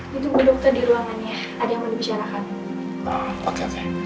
ditunggu dokter di ruangan ya